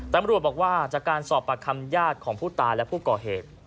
ตำรวจบอกว่าจากการสอบปากคำญาติของผู้ตายและผู้ก่อเหตุ